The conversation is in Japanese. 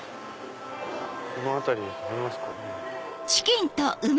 この辺りで食べますか。